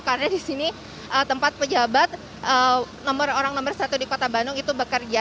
karena di sini tempat pejabat nomor orang nomor satu di kota bandung itu bekerja